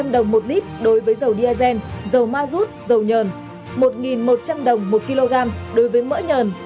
một trăm linh đồng một lít đối với dầu diazen dầu ma rút dầu nhờn một một trăm linh đồng một kg đối với mỡ nhờn